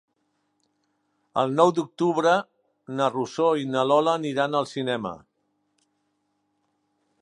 El nou d'octubre na Rosó i na Lola aniran al cinema.